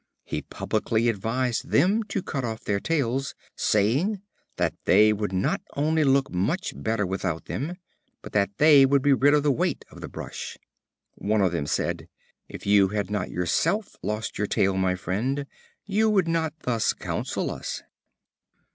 He publicly advised them to cut off their tails, saying "that they would not only look much better without them, but that they would get rid of the weight of the brush." One of them said: "If you had not yourself lost your tail, my friend, you would not thus counsel us."